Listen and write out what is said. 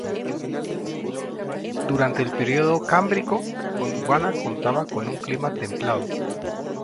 Durante el período Cámbrico, Gondwana contaba con un clima templado.